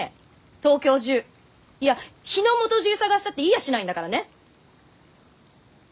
東京中いや日の本中探したっていやしないんだからね！